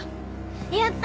やった！